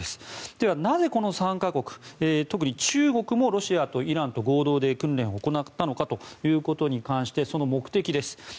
では、なぜこの３か国特に中国はイランとロシアと３か国で訓練を行ったのかということに関して、その目的です。